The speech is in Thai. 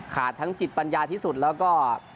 ทั้งจิตปัญญาที่สุดแล้วก็